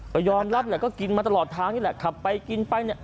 ก็ยอมรับกินมาตลอดทางนี่แหละขับไปกินไป